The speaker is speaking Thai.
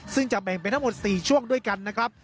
ซึ่งจะแบ่งเป็นทั้งหมด๔ช่วงด้วยกันนะครับ